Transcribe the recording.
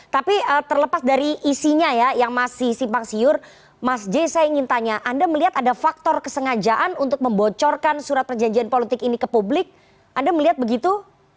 tapi terlepas dari isinya ya yang masih simpang siur mas j saya ingin tanya anda melihat ada faktor kesengajaan untuk membocorkan surat perjanjian politik ini ke publik anda melihat begitu